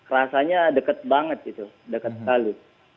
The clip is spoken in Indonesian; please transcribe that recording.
rasanya deket banget gitu dekat sekali